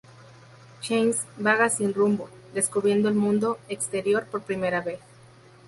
Chance vaga sin rumbo, descubriendo el mundo exterior por primera vez.